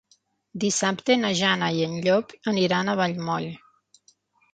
Dissabte na Jana i en Llop aniran a Vallmoll.